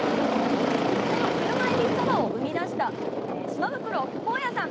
この車えびそばを生み出した島袋航弥さん